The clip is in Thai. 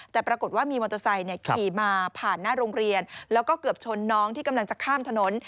แต่ปรากฏว่ามีมอเตอร์ไซค์ขี่มาผ่านหน้าโรงเรียนแล้วก็เกือบชนน้องที่กำลังจะข้ามถนน